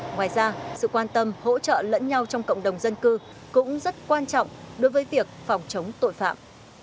ngoài ra sự quan tâm hỗ trợ lẫn nhau trong cộng đồng dân cư cũng rất quan trọng đối với việc phòng chống tội phạm